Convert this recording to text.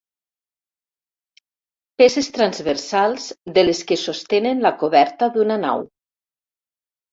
Peces transversals de les que sostenen la coberta d'una nau.